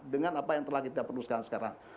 dengan apa yang telah kita perlu sekarang